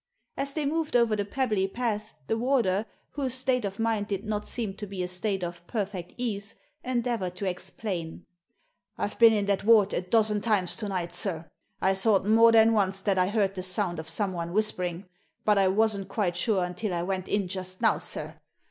As they moved over the pebbly path the warder, whose state of mind did not seem to be a state of perfect ease, endeavoured to explain. " I've been in that ward a dozen times to night, sir. I thought more than once that I heard the sound of Digitized by VjOOQIC THE PHOTOGRAPHS 55 someone whispering, but I wasn't quite sure until I went in just now, sir.